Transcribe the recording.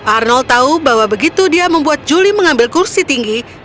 arnold tahu bahwa begitu dia membuat juli mengambil kursi tinggi